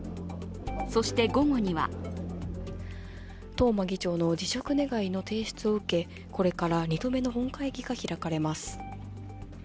そして午後には東間議長の辞職願の提出を受けこれから２度目の本会議が開かれます。